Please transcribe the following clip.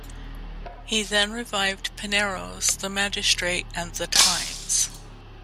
He then revived Pinero's "The Magistrate" and "The Times".